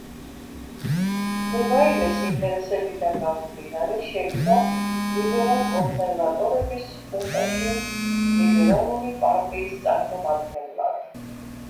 დებაილეს ინტერესებიდან გამომდინარე შევიდა ლიბერალ-კონსერვატორების ხუნტაში ლიბერალური პარტიის წარმომადგენლად.